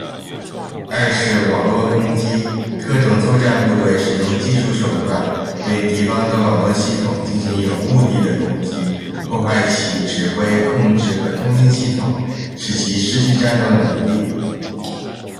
二是网络攻击。特种作战部队使用技术手段对敌方的网络系统进行有目的的攻击，破坏其指挥、控制和通信系统，使其失去战斗能力。